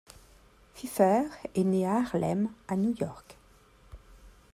Phifer est né à Harlem à New York.